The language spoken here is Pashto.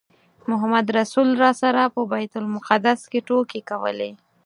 محمدرسول راسره په بیت المقدس کې ټوکې کولې.